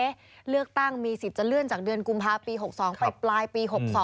เลือกตั้งมีสิทธิ์จะเลื่อนจากเดือนกุมภาปี๖๒ไปปลายปี๖๒